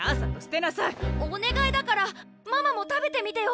お願いだからママも食べてみてよ！